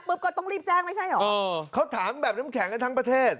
ก็ต้องรีบแจ้งไม่ใช่เหรอเขาถามแบบน้ำแข็งกันทั้งประเทศ